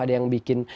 ada yang bikin